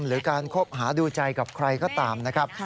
หรือการคบหาดูใจกับใครก็ตามนะครับ